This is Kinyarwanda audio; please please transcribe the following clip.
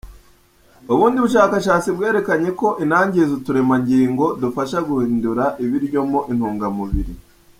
Ubundi bushakashatsi bwerekanye ko inangiza uturemangingo dufasha guhindura ibiryo mo intungamubiri.